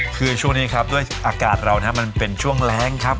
คือช่วงนี้ครับด้วยอากาศเรานะครับมันเป็นช่วงแรงครับ